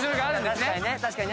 確かにね。